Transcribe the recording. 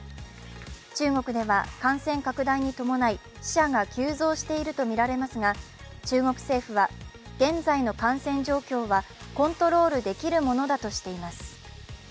中国では感染拡大に伴い、死者が急増しているとみられますが中国政府は、現在の感染状況はコントロールできるものだとしています。